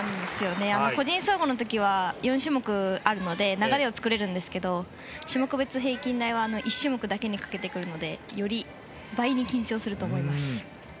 個人総合の時は４種目あるので流れを作れるんですけど種目別平均台は１種目だけにかけてくるのでより、倍に緊張すると思います。